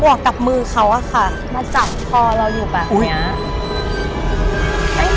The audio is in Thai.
วกกับมือเขาอะค่ะมาจับคอเราอยู่แบบเนี้ย